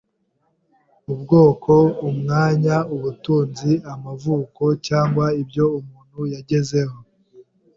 ubwoko, umwanya, ubutunzi, amavuko, cyangwa ibyo umuntu yagezeho.